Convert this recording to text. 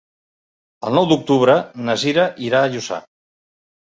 El nou d'octubre na Cira irà a Lluçà.